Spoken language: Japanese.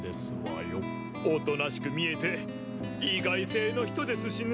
おとなしく見えて意外性の人ですしね。